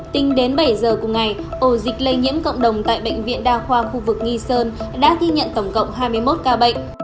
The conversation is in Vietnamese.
tính đến bảy giờ cùng ngày ổ dịch lây nhiễm cộng đồng tại bệnh viện đa khoa khu vực nghi sơn đã ghi nhận tổng cộng hai mươi một ca bệnh